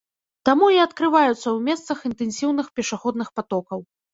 Таму і адкрываюцца ў месцах інтэнсіўных пешаходных патокаў.